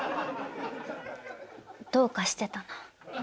どうかしてたな。